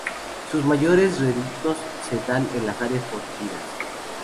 Sus mayores reductos se dan en las áreas protegidas.